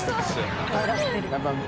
笑ってる